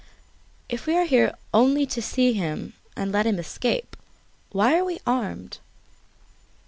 "If we are here only to see him and let him escape, why are we armed?"